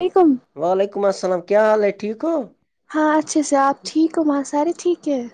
وعلیکم [inaudible] وعلیکم السلام کیا حال ہے ٹھیک ہو ہو ہاں اچھے سے آپ ٹھیک ہو وہاں سارے ٹھیک ہیں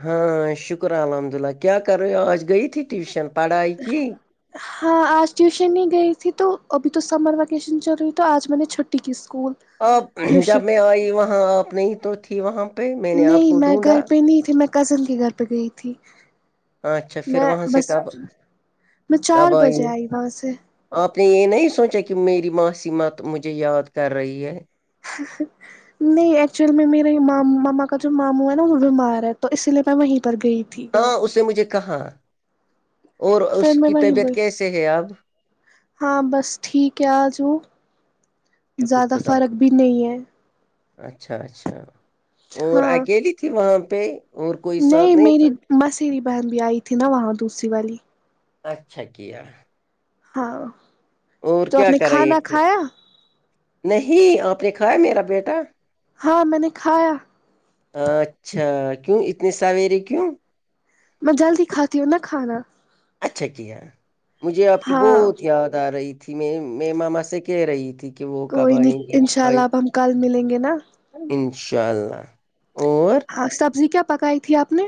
ہاں شکر الحمد للہ کیا کرے آج گئی ت ہی ٹیوشن پڑھائی کی ہاں آج ٹیوشن نہیں گئی تھی تو ابھی تو سمر ویکیشن چل رہی تو آج میں نے چھٹی کی اسکول آپ جب ٹیوشن میں آئی وہاں آپ نہیں تو تھی وہاں پہ میں نے آپ نہیں کو میں گھر ڈھونڈا پہ نہیں تے میں [inaudible] کزن کے گھر پہ گئی تھی اچھا پھر میں وہاں سے بس کب میں چار بجے آئی وہاں سے آپ نے یہ نہیں سوچا کہ میری معاسییمت مجھے یاد کر رہی ہے ہ [inaudible] نہیں ایکچوئل میں میرے م ماما کا جو ماموں ہے نا وہ بیمار ہے تو اسی لیے میں وہیں پر گئی تھی ہاں اسے مجھے کہا اور اس پھر میں کی وہیں طبیعت گئی کیسے ہے اب ہاں بس ٹھیک ہے آجؤ شکر خدا نہیں ہے اچھا اچھا اور ہاں اکیلی کہ وہاں پہ اور کوئی ساتھ نہیں تھا میری مسری بہن بھی آئی تھی نا وہاں دوسری والی اچھا کیا ہاں اور تو آپ کیا نے کر کھانا رہی تھی کھایا نہیں آپ نے کھا ہے میرا بیٹا ہاں میں نے کھایا اچھا کیوں اتنی سویرے کیوں میں جلدی کھاتی ہوں نا کھانا اچھا کیا مجھے آپ کی ہاں بہت یاد آ رہی تھی میں میں ماما سے کہہ رہی تھی کہ وہ کب کوئی آئیں گی نہیں ان وہ شاء اللہ آئیں آپ ہم کل ملیں گے نا انشاء اللہ اور ہاں سبزی کیا پکائی تھی آپ نے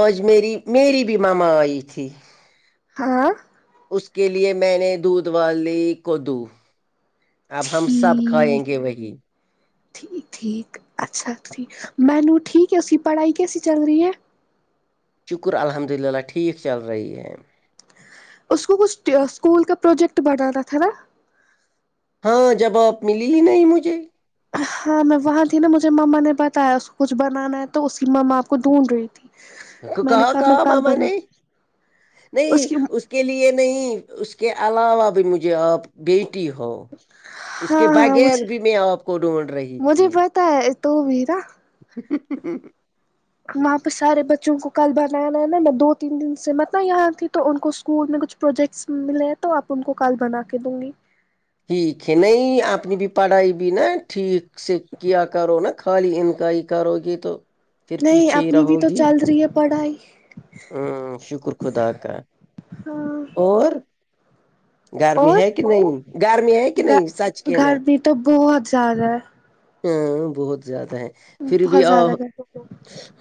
آج میری میری بھی مما آئی تھی ہاں اس کے لیے میں نے دودھ بال لی کدو اب ہم سب کھائیں ٹھیک گے وہی ٹھیک ٹھیک اچھا ٹھیک م میںنو ٹھیک ہے اس کی پڑھائی کیسی چل رہی ہے شکر الحمد للہ ٹھیک چل رہی ہے اس کو کچھ اسکول کا پروجیکٹ بنانا تھا نا ہاں جب آپ ملی ہی نہیں مجھے ہاں میں وہاں تھی نا مجھے مما نے بتایا اس کو کچھ بنانا ہے تو اس کی ما آپ کو ڈھونڈ رہی تھی کو میں نے کہا میں کہا کل ماما بنا نے نہیں اس کے لیے نہیں اس کے علاوہ بھی مجھے آپ بیٹی ہو اس ہاں کے ہاں مجھے باغت بھی میں آپ کو ڈھونڈ رہی تھی تا ہے تو ویرا ج وہاں پہ سارے بچوں کو کل بنایا ل نا میں دو تین دن سے مت یہاں تھی تو ان کو اسکول میں کچھ پروجیکٹس ملے ہیں تو آپ ان کو کال بنا کے دوں گی ٹھیک ہے نہیں آپ نے بھی پڑھائی بھی نا ٹھیک سے کیا کرو نا خالی انکائی کرو گے تو پھر نہیں پیچھے ہی اپنی بھی رہو تو گی چل رہی ہے پڑھائی ہ شکر خدا کا ہاں اور گرمی اور ہے کہ نہیں گرمی ہے کہ نہیں سچ کہنا گھر بھی تو بہت زیادہ ہے ا بہت زیادہ ہے پھر بھی بہت آ زیادہ گھر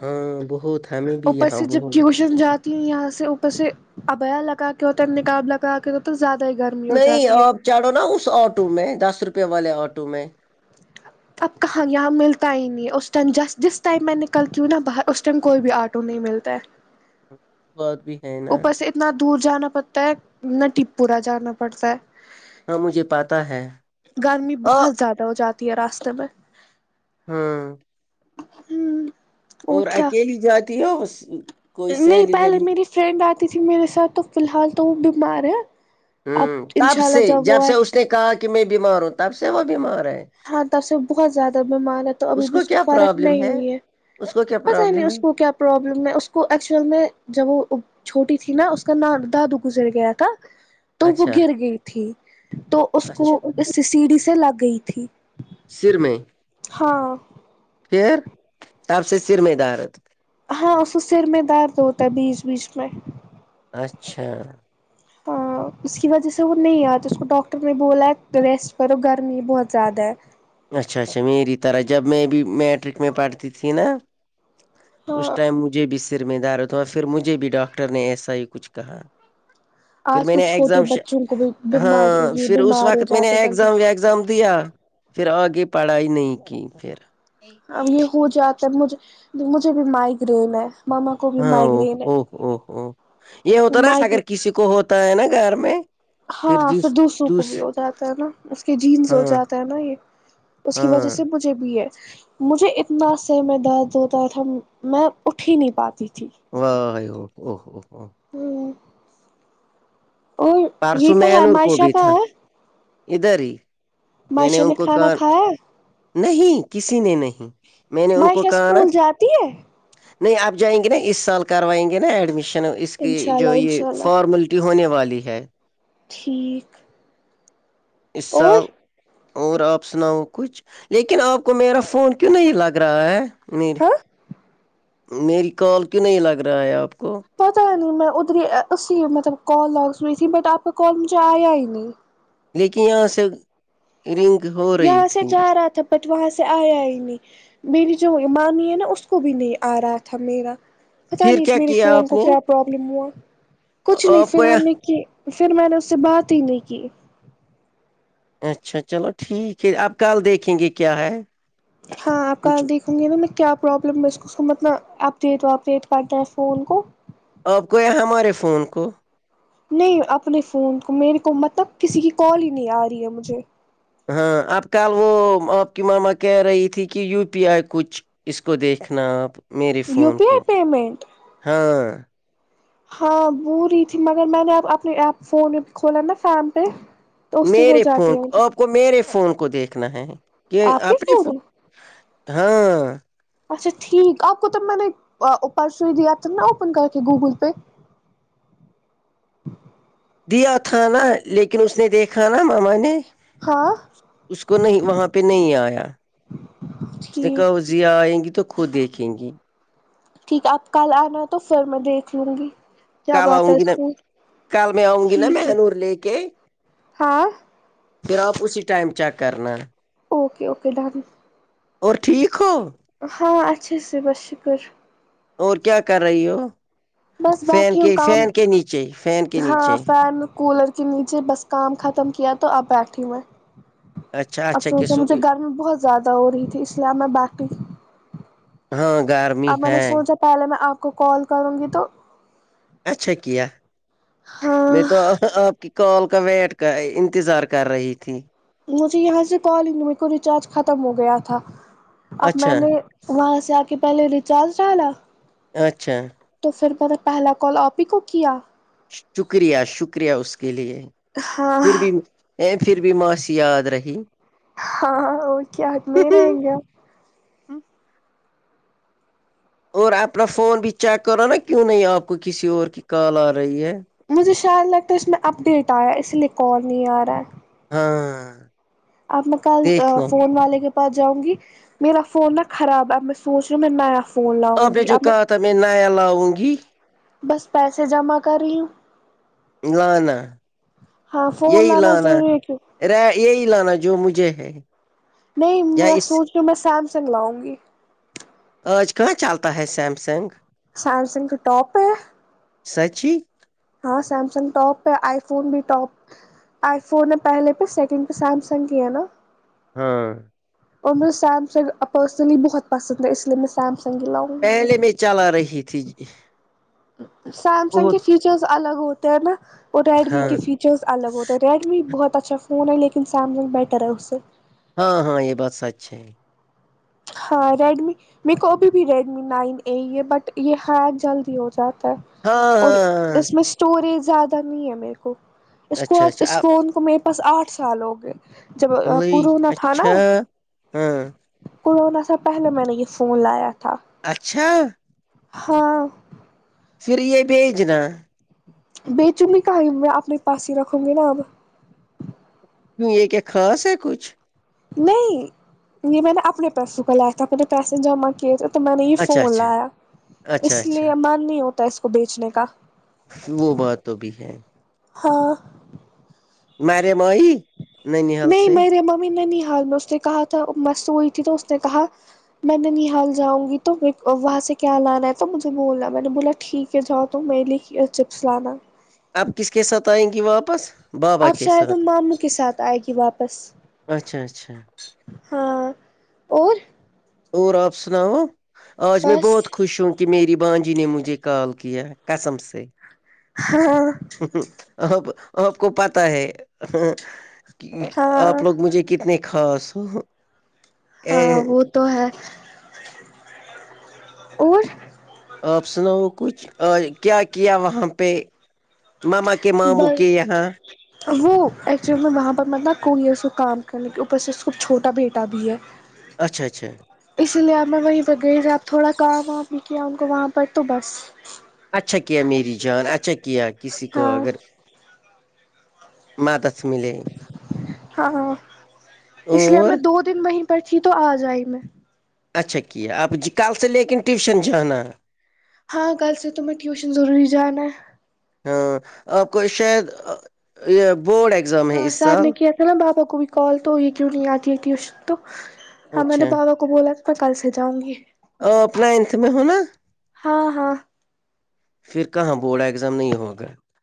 ہاں بہت ہمیں بھی اوپر یہاں سے جب بت ٹیوشن جاتی ہوں یہاں سے اوپر سے ابیا لگا کے ہو تک نکاب لگا گ کے تو تو زیادہ ہی گرمی ہو جاتی ہے چاڑھو نا اس آٹو میں دس روپے والے آٹو میں اچھا اب کہاں یہاں ملتا ہی نہیں ہے اس ٹائم جسٹ جس ٹائم میں نکلتی ہوں نا باہر اسس ٹائم کوئی بھی آٹو نہیں ملتا ہے بات بھی ہے نا اوپر سے اتنا دور جانا پڑتا ہے ن ٹی پورا جانا پڑتا ہے ہاں مجھے پتا ہے گرمی ہاں بہت زیادہ ہو جاتی ہے راستے میں ہاں ہوں اور اکیلی جاتی ہو کوئی نہیں سہیلی پہلے ویلی میری فرینڈ آتی تھی میرے ساتھ تو فی الحال تو وہ بیمار ہے ہ اب تب انشاء اللہ سے جب وہ سے آئے اس نے کہا کہ میں بیمار ہوں تب سے وہ بیمار ہے ہاں تب سے بہت زیادہ بیمار ہے تو ابھی بھی اس کو فرق نہیں ہوئی ہے اس کو کیا پتا نہیں پرابلم ہے اس کو کیا پرابلم میں اس کو ایکچول میں جب وہ چھوٹی تھی نا اس کا نام دادو گزر گیا تھا تو وہ اچھا گر گئی تھی تو اس کو اچھا اس سیڑھی سے لگ گئی تھی سر میں ہاں پھر آپ سے سر میںیدہارت ہاں اس کو سر میں دارد ہوتا ہے بیچ بیچ میں اچھا ہاں اس کی وجہ سے وہ نہیں آتا اس کو ڈاکٹر نے بولا ریسٹ کرو گرمی بہت زیادہ ہے اچھا اچھا میری طرح جب میں بھی میٹرک میں پڑھتی تھی نا اس ہاں ٹائم مجھے بھی سر میں دار ہوتا پھر مجھے بھی ڈاکٹر نے ایسا ہی کچھ کہا پھر آج میں کل نے چھوٹے ایگزام بچوں کو بھی بیمار ہاں یہ پھر اس بیمار ہو وقت میں نے جاتے جلدی ایگزام ویگزام دیا پھر آگے پڑھائی نہیں کی پھر اب یہ ہو جاتا ہے مجھے مجھے بھی مائگرین ہے ماما کو بھی ہاںو مائگرین اوو ہے ہوو یہ ہوتا نا اگر مائگرین کسی کو ہوتا ہے نا گھر میں ہاں پھر جس دوسروں کو دوس بھی ہو جاتا ہے نا اس کے جینس ہو ہاں جاتا ہے نا یہ اس کی وجہ ہاں سے مجھے بھی ہے مجھے اتنا سر میں درد ہوتا تھا میں اٹ ہی نہیں پاتی تھی وو ہوو ہو ہو ہ اور یہ پرسوں کہاں ہے مہنور کو ماشاہ بھی کہاں تھا ہے ادھر ہی میں نے معائشہ ان کو کھانا کہا کھایا ہے نہیں کسی نے نہیں میں نے ان کو معائشہ کہا ن اسکول جاتی ہے نہیں آب جائیں گے نا اس سال کروائیں گے نا ایڈمیشن اس کی انشاء جو اللہ یہ انشاء اللہ فارملٹی چٹی ہونے والی ہے ٹھیک اس اور سال اور آپ سناؤ کچھ لیکن آپ کو میرا فون کیوں نہیں لگ رہا ہے مری ہاں میری کال کیوں نہیں لگ رہا ہے آپ کو پتا ہی نہیں میں ادھر اسی مطلب کال لگ سئی تھی بٹ آپ کا کال مجھے آیا ہی نہیں لیکن یہاں سے رننک ہو رہی یہاں سے تھھی جا رہا تھا بٹ وہاں سے آیا ہی نہیں میری جو مانی ہے نا اس کو بھی نہیں آ رہا تھا میرا پتا پھر نہیں اس کیا میرے کیا فون آپ کو نے کیا پرابلم ہوا کچھ نہیں آپ پھر کو ہم نے یہ- کی پھر میں نے اس سے بات ہی نہیں کی اچھا چلو ٹھیک ہے آپ کل دیکھیں گے کیا ہے ہاں آپ کا کچھ د س گ میں کیا پرابلم میںھ متنا اپڈیٹ واپڈیٹ کرنا ہے فون کو آپ کو یہاں ہمارے فون کو نہیں اپنے فون کو میرے کو مطلب کسی کی کال ہی نہیں آ رہی ہے مجھے ہاں اب کل وہ آپ کی ماما کہہ رہی تھی کہ یو پی آئی کچھ اس کو دیکھنا آپ میرے یو فون پی کو آئی پیمنٹ ہاں ہاں ب رہی تھی مگر میں نے اب اپنی ایپ فون کھولا نا فم پہ تو اس سے ہو میرے فون جاتی ہے کو مجھے آپ کو میرے فون کو دیکھنا ہے کہ آپ کے اپنے فون میں ہاں اچھا ٹھیک آپ کو تب میں نے پرسوں ہی دیا تھا نا اوپن کر کے گوگل پے دیا تھا نا لیکن اس نے دیکھا نا ماما نے ہاں اس کو نہیں وہاں پہ نہیں آیا اس نے کہا ٹھیک اس ضیا آئیں گی تو خود دیکھیں گی ٹھیک ہے آپ کل آنا تو پھر میں دیکھ لوں گی کیا کل بات آؤں ہے گی اس نا کو کل میں آؤں گی نا ٹھیک ہے مہنور لے کے ہاں پھر آپ اسی ٹائم چیک کرنا اوکے اوکے ڈن اور ٹھیک ہو ہاں اچھا سے بس شکر اور کیا کر رہی ہو بس فین بیٹھی ہوں کے کام فین کے نیچے فین کے ہاں نیچے فین کولر کے نیچے بس کام ختم کیا تو اپ بیٹھی ہوئے اچھا اچھا افسوچ ہے کسو مجھے کی گرمی بہت زیادہ ہو رہی تھی اس لیے اب میں باقی ہاں گار میں اب میں نے سوچا پہلے میں آپ کو کال کروں گی تو اچھا کیا ہاں میں تو آپ کی کال کا ویٹ کا انتظار کر رہی تھی مجھے یہاں سے کال میرے کو ریچارج ختم ہو گیا تھا اب میں اچھا نے وہاں سے آ کے پہلے ریچارج ڈالا اچھا تو پھر میں نے پہلا کال آپ ہی کو کیا شکریہ شکریہ اس کے لیے ہاں پھر بھی ا پھر بھی معاشی یاد رہی ہاںاں وہ کیا ہات نہیں رہیں گےپ اور اپنا فون بھی چیک کرو نا کیوں نہیں آپ کو کسی اور کی کال آ رہی ہے مجھے شیال لگتا ہے اس میں اپ ڈیٹ آیا اسی لیے کال نہیں آ رہا ہے ہاں آپ میں کل دیکھنا فون والے کے جاؤں گی میرا فون نا خراب ہے میں سوچ رہیوں نیا فون آپ لاؤں نے گی جو اب کہا تھا میں نایا لاؤں گی بس پیسے جمع کر رہی ہوں ل ن ہاں فون یہی لانا ضروری ہے کیوں رے یہی لانا جو مجھے ہے نہیں یا میں اس سوچ رہی ہوں میں سیمسنگ لاؤں گی آج کہاں چلتا ہے سیم سیمسنگ کا ٹاپ ہے سچی ہاں سیمسنگ ٹاپ ہے آئی فون بھی ٹاپ آئی فون نے پہلے پہ سیکنڈ پہ سیمسنگ کی ہے نا ہاں اور مجھے سیمسنگ پرسنلی بہت پسند ہے اس لیے میں سیمسنگ ہی لاؤں گی پہلے میں چلا رہی تھی جی سیمسنگ کے فیچرس الگ ہوتے ہیں نا وہ ریڈمی ہاں کے فیچر فچرز الگ ہوتے ہیں ریڈمی بہت اچھا فون ہے لیکن سیمسنگ بیٹر ہے اس سے ہاں ہاں یہ بات سچ ہے ہاں ریڈمی میرے کو ابھی بھی ریڈمی نائن اے ہے بٹ یہ ہیک جلدی ہو جاتا ہے ہاں اور ہاں اس میں اسٹوریج زیادہ نہیں ہے میرے کو اس کو اچھا آج اچھا اس آپ فون کو م بس آٹھ سال ہو گئے جب کورونا تھا نا اچھا ہاں کونا سے پہلے میں نے یہ فون لایا تھا اچھا ہاں پھر یہ بھیجنا بیچوں گی کہیں میں اپنے پاس ہی رکھوں گی نا اب کیوں یہ کہ خاص ہے کچھ نہیں یہ میں نے اپنے پسوں کا لا تھا اپنے پیسے جمع کیے تو تو میں نے یہ اچھا فون اچھا لایا اچھا اس اچھا لیے من نہیں ہوتا اس کو بیچنے کا وہ بات تو بھی ہے ہاں میرم آئی ننحال نہیں سے میری ممی نے نہیں ہار میں اس سے کہا تھا مست ہوئی تھی تو اس نے کہا [unintelligible] میں ننیحال جاؤں گی تو وہاں سے کیا لانا ہے تو مجھے بولا میں نے بولا ٹھیک کے جاؤ تووں می لی چپس لانا آپ کس کے ساتھ آئیں گی واپس بابا آپ کے شاید ان ساتھ ماموں کے ساتھ آئے گی واپس اچھا اچھا ہاں اور اور آپ سناؤ آج میں بس بہت خوش ہوں کہ میری بانجی نے مجھے کال کیا قسم سے ہاں ہ آ آپ کو پتا ہے ہ آپ ہاں لوگ مجھے کتنے خاص [unintelligible] ہاں وہ تو ہے اور آپ سناؤ کچھ کیا کیا وہاں پہ مما بند [unintelligible] وہ ایکچولی وہاں پر مطلب کوئیئ کو کام کرنے کے اوپر سے اس چھوٹا بیٹا بھی ہے نے [inaudible] اچھا اچھا اسی لیے اب میں وہیں پرہ گئی ج اب تھوڑا کام وام بھی کیا ان کو وہاں پر تو بس اچھا کیا میری جان اچھا کیا کسی کو ہاں اگر م تس ملے [unintelligible] ہاں اس لیے اور میں دو دن وہیں پر تھی تو آ جائی میں اچھا کیا آپ کل سے لے کےن ٹیوشن جانا ہاں کل سےر تو میں ٹیوشن ضوری جانا ہے ہاں آپ کو شاید یہ بورڈ ہے ایگزام ہاں اس سر نے سال کیا تھا نا بابا کو بھی کال تو یہ کیوں نہیں آتی ہے ٹیوشن تو ہ میں نے اچھا بابا کو کو بولا تو میں کل سے جؤں گی [unintelligible] اورو اپ نائنتھ میں ہوناا ہاں ہاں پھر کہاں بورڈ ایگزام نہیں ہو گا